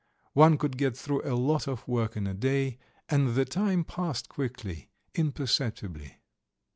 One could get through a lot of work in a day, and the time passed quickly, imperceptibly.